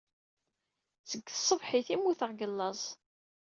Seg tṣebḥit ay mmuteɣ seg laẓ.